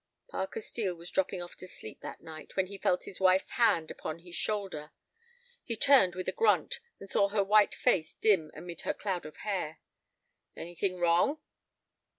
Parker Steel was dropping off to sleep that night when he felt his wife's hand upon his shoulder. He turned with a grunt, and saw her white face dim amid her cloud of hair. "Anything wrong?"